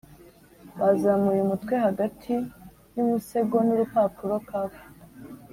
bazamuye umutwe hagati y umusego nurupapuro-cuff